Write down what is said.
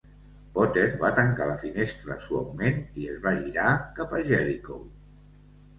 Potter va tancar la finestra suaument i es va girar cap a Jellicoe.